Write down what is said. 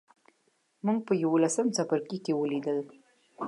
موږ په یوولسم څپرکي کې ولیدل.